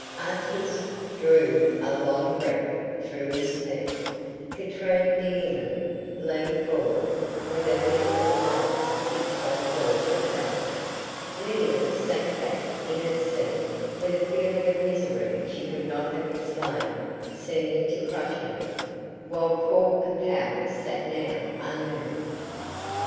Artis drew a long breath through his teeth; Katrine D'Enghien leaned forward, with her beautiful eyes fixed on Paul Capel; Lydia sank back in her seat with a feeling of misery she could not have explained seeming to crush her; while Paul Capel sat now unmoved.